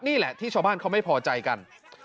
นี่แหละที่ชาวบ้านเขาไม่พอใจกัน